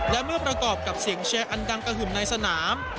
และเมื่อประกอบกับเสียงเชียร์อันดังกระหึ่มในสนาม